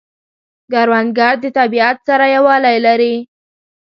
کروندګر د طبیعت سره یووالی لري